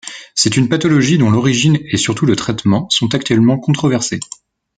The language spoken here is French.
C'est une pathologie dont l'origine et surtout le traitement sont actuellement controversés.